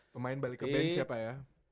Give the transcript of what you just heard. pemain balik ke band siapa ya